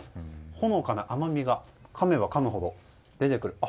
ほのかな甘みがかめばかむほど出てくる。